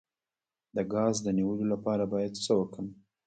د ګاز د نیولو لپاره باید څه وکړم؟